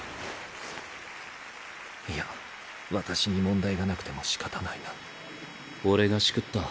いや私に問題がなくてもしかたないな。俺がしくった。